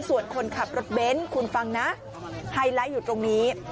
ส่วนคนขับรถเบนท์คุณฟังนะไฮไลท์อยู่ตรงนี้